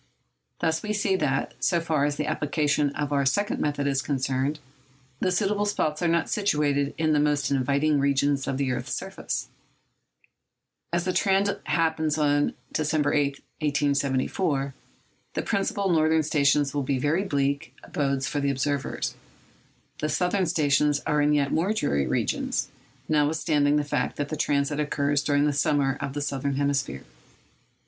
Thus we see that, so far as the application of our second method is concerned, the suitable spots are not situated in the most inviting regions of the earth's surface. As the transit happens on December 8, 1874, the principal northern stations will be very bleak abodes for the observers. The southern stations are in yet more dreary regions,—notwithstanding the fact that the transit occurs during the summer of the southern hemisphere.